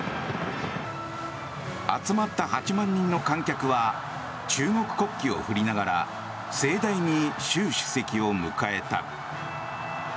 集まった８万人の観客は中国国旗を振りながら盛大に習主席を迎えた。